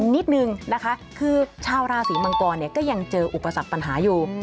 นิดนึงนะคะคือชาวราศีมังกรเนี่ยก็ยังเจออุปสรรคปัญหาอยู่